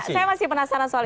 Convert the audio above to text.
saya masih penasaran soal